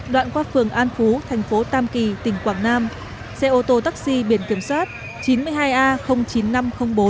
đoạn qua phường an phú thành phố tam kỳ tỉnh quảng nam xe ô tô taxi biển kiểm soát chín mươi hai a chín nghìn năm trăm linh bốn